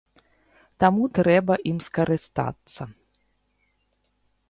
Таму трэба ім скарыстацца.